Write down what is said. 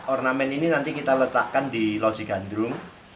ornamen ini nanti kita letakkan di loji gandrung